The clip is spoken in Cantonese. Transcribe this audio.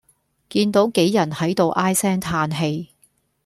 見到杞人喺度唉聲嘆氣